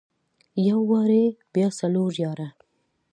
يو واري بيا څلور ياره.